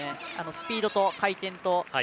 スピードと回転と。